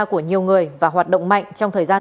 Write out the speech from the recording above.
của nhiều người và hoạt động mạnh trong thời gian